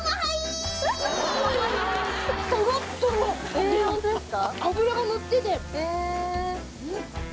えっホントですか？